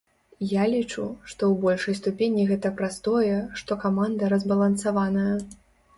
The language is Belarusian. Я лічу, што ў большай ступені гэта праз тое, што каманда разбалансаваная.